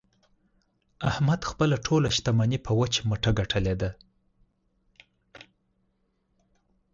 احمد خپله ټوله شمني په وچ مټه ګټلې ده.